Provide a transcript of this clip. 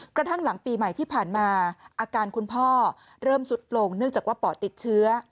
กระทั่งหลังปีใหม่ที่ผ่านมาอาการคุณพ่อเริ่มสุดลงเนื่องจากว่าปอดติดเชื้อ